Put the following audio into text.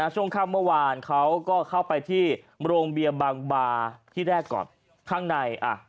ช่วงค่ำเมื่อวานเขาก็เข้าไปที่โรงเบียร์บางบาที่แรกก่อนข้างใน